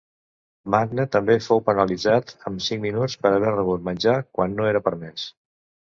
Magne també fou penalitzat, amb cinc minuts, per haver rebut menjar quan no era permès.